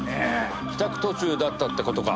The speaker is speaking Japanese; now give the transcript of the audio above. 帰宅途中だったって事か。